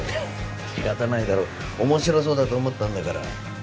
仕方ないだろ面白そうだと思ったんだから。